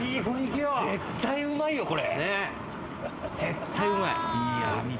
絶対うまいよこれ。